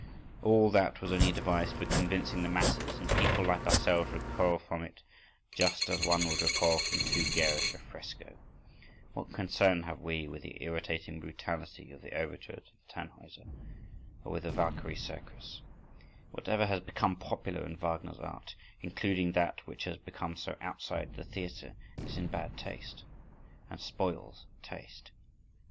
All that was only devised for convincing the masses, and people like ourselves recoil from it just as one would recoil from too garish a fresco. What concern have we with the irritating brutality of the overture to the "Tannhauser"? Or with the Walkyrie Circus? Whatever has become popular in Wagner's art, including that which has become so outside the theatre, is in bad taste and spoils taste.